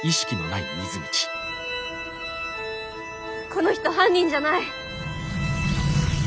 この人犯人じゃない。